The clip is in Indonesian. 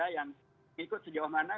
yang ikut sejauh mana